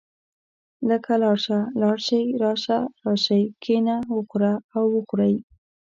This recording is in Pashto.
لکه لاړ شه، لاړ شئ، راشه، راشئ، کښېنه، وخوره او وخورئ.